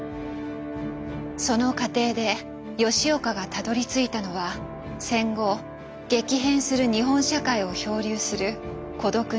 その過程で吉岡がたどりついたのは戦後激変する日本社会を漂流する孤独な一人の青年の姿でした。